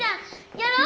やろう！